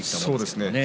そうですね